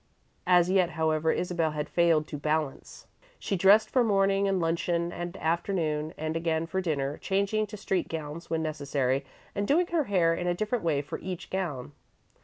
As yet, however, Isabel had failed to "balance." She dressed for morning and luncheon and afternoon, and again for dinner, changing to street gowns when necessary and doing her hair in a different way for each gown.